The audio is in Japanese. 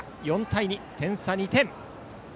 ４対２と点差は２点。